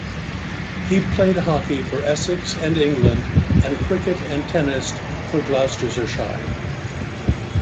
He played hockey for Essex and England, and cricket and tennis for Gloucestershire.